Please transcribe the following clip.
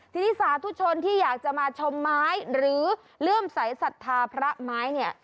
ทีนี้สาธุชนที่อยากจะมาชมไม้หรือเลื่อมใสสัทธาพระไม้เนี่ย